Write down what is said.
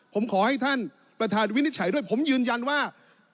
ผมขอให้ท่านประธานวินิจฉัยด้วยผมยืนยันว่า